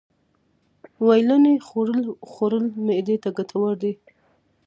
ویلنی خوړل خوړل معدې ته گټور دي.